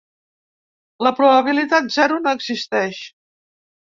La probabilitat zero no existeix.